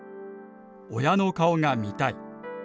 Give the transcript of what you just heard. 「親の顔がみたい」。